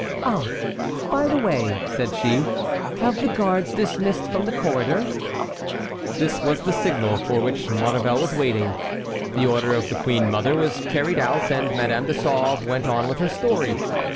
"Ah, by the way," said she, "have the guards dismissed from the corridor." This was the signal for which Maurevel was waiting. The order of the queen mother was carried out, and Madame de Sauve went on with her story.